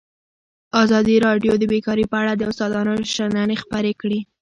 ازادي راډیو د بیکاري په اړه د استادانو شننې خپرې کړي.